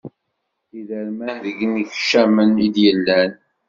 Idermen deg yinekcamen i d-yellan.